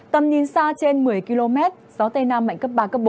tầm nhìn xa trên một mươi km gió tây nam mạnh cấp ba cấp bốn